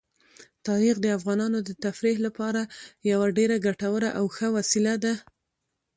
تاریخ د افغانانو د تفریح لپاره یوه ډېره ګټوره او ښه وسیله ده.